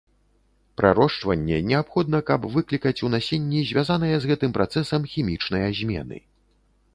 Прарошчванне неабходна, каб выклікаць у насенні звязаныя з гэтым працэсам хімічныя змены.